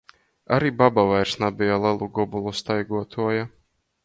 Ari baba vairs nabeja lelu gobolu staiguotuoja.